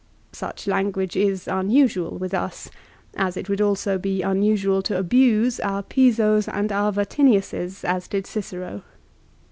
l Such language is unusual with us, as it would also be unusual to abuse our Pisos and our Vatiniuses as did Cicero.